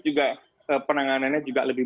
juga penanganannya juga lebih